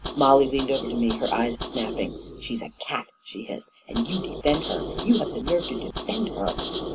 Mollie leaned over to me, her eyes snapping. "She's a cat I" she hissed. "And you defend ber ! You have the nerve to defend her